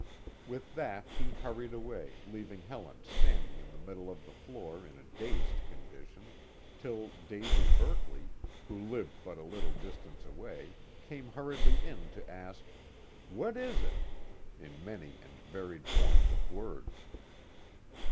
With that he hurried away, leaving Helen standing in the middle of the floor in a dazed condition, till Daisy Berkeley, who lived but a little distance away, came hurriedly in to ask: "What is it?" in many and varied forms of words.